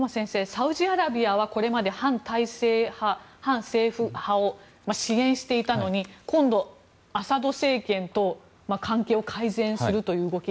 サウジアラビアはこれまで反体制派や反政府派を支援していたのに今度はアサド政権と関係を改善するという動き。